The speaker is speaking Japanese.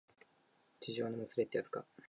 痴情のもつれってやつか